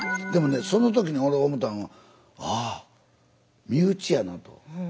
でもねその時に俺思たんはあ身内やなと。